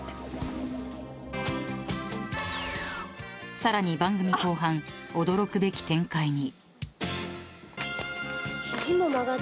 ［さらに番組後半驚くべき展開に］